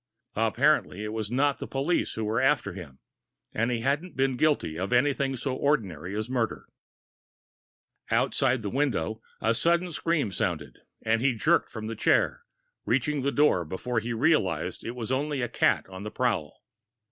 Apparently it was not the police who were after him, and he hadn't been guilty of anything so ordinary as murder. Outside the window, a sudden scream sounded, and he jerked from the chair, reaching the door before he realized it was only a cat on the prowl.